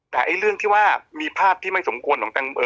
แต่เรื่องที่ว่ามีภาพที่ไม่สมควร